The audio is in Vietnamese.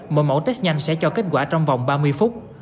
mỗi mẫu test nhanh sẽ cho kết quả trong vòng ba mươi phút